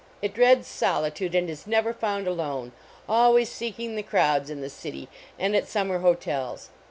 It dreads solitude and i> never found alone, always >reking tin ( rowels in the ci:y and at summer hotels.